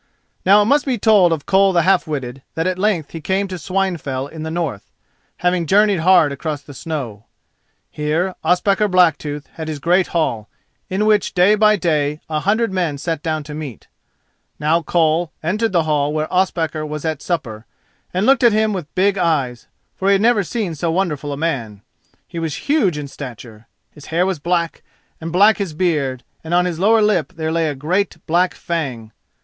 Now it must be told of Koll the Half witted that at length he came to Swinefell in the north, having journeyed hard across the snow. Here Ospakar Blacktooth had his great hall, in which day by day a hundred men sat down to meat. Now Koll entered the hall when Ospakar was at supper, and looked at him with big eyes, for he had never seen so wonderful a man. He was huge in stature—his hair was black, and black his beard, and on his lower lip there lay a great black fang.